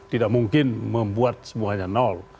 tidak mungkin membuat semuanya nol